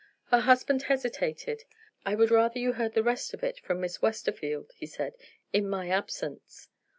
Her husband hesitated. "I would rather you heard the rest of it from Miss Westerfield," he said, "in my absence."